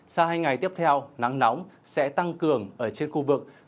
sau hai ngày tiếp theo nắng nóng sẽ tăng cường ở trên khu vực